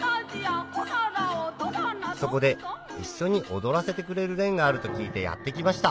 そこで一緒に踊らせてくれる連があると聞いてやって来ました